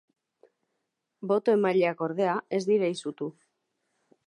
Boto emaileak, ordea, ez dira izutu.